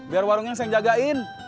biar warungnya saya jagain